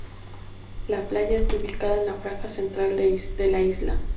La playa está ubicada en la franja central de la isla.